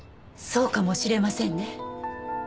そうかもしれませんね。